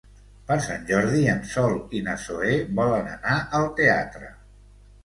Per Sant Jordi en Sol i na Zoè volen anar al teatre.